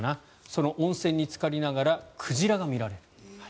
その温泉につかりながら鯨が見られると。